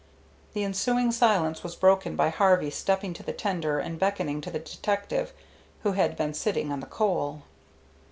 The ensuing silence was broken by Harvey stepping to the tender and beckoning to the detective, who had been sitting on the coal.